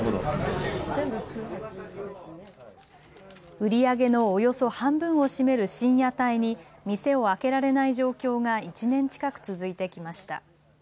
売り上げのおよそ半分を占める深夜帯に店を開けられない状況が１年近く続いてきました。